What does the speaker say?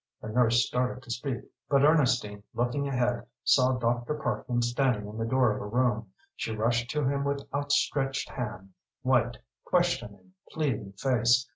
The nurse started to speak, but Ernestine, looking ahead, saw Dr. Parkman standing in the door of a room. She rushed to him with outstretched hand, white, questioning, pleading face.